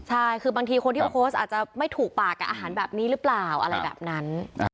ใช่คือบางทีคนที่มาโพสต์อาจจะไม่ถูกปากกับอาหารแบบนี้หรือเปล่าอะไรแบบนั้น